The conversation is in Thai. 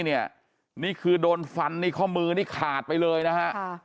นี่คือโดนฟันนี่ข้อมือนี่ขาดไปเลยนะฮะ